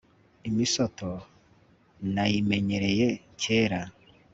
Imisoto nayimenyereye kera